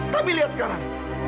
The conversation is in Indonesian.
tapi lihat sekarang